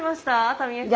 タミ江さん。